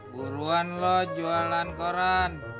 buruan lo jualan koran